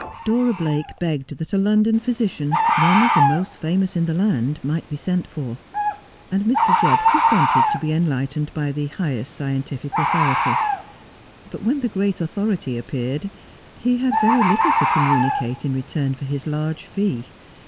Dora Blake begged that a London physician, one of the most famous in the land, might be sent for ; and Mr. Jebb consented to be enlightened by the highest scientific authority ; but when the great authority appeared he had very little to communicate in return for his large fee.